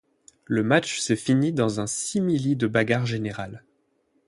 Le match se finit dans un simili de bagarre générale.